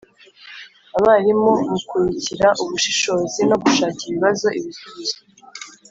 abarimu bukurikira: ubushishozi no gushakira ibibazo ibisubizo: